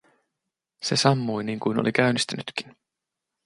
Se sammui niin kuin oli käynnistynytkin.